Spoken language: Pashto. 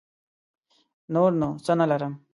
نور نو څه نه لرم.